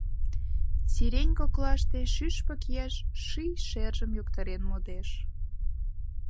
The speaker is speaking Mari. Сирень коклаште шӱшпык еш Ший шержым йоктарен модеш.